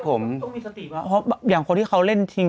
ผมต้องมีสติว่าเพราะอย่างคนที่เขาเล่นทิ้ง